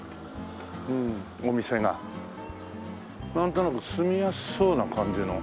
なんとなく住みやすそうな感じの。